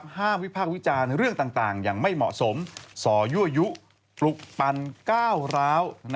วิพากษ์วิจารณ์เรื่องต่างอย่างไม่เหมาะสมส่อยั่วยุปลุกปันก้าวร้าว